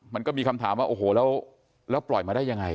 มันก็มีคำถามว่าโอ้โหแล้วปล่อยมาได้ยังไง